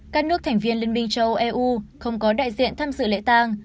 các nước thành viên liên minh châu âu eu không có đại diện tham dự lễ tang